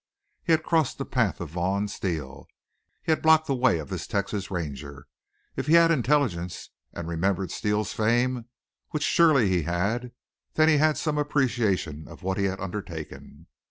He had crossed the path of Vaughn Steele; he had blocked the way of this Texas Ranger. If he had intelligence and remembered Steele's fame, which surely he had, then he had some appreciation of what he had undertaken.